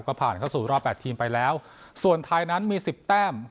ก็ผ่านเข้าสู่รอบแปดทีมไปแล้วส่วนไทยนั้นมีสิบแต้ม